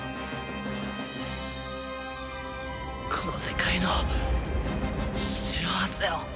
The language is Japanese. この世界の幸せを！